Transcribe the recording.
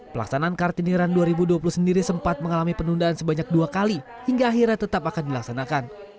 pelaksanaan kartini run dua ribu dua puluh sendiri sempat mengalami penundaan sebanyak dua kali hingga akhirnya tetap akan dilaksanakan